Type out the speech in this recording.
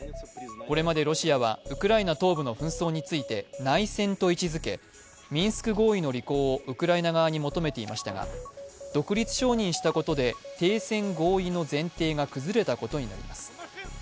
これまでロシアはウクライナ東部の紛争について内戦と位置づけミンスク合意の履行をウクライナ側に求めていましたが、独立承認したことで停戦合意の前提が崩れたことになります。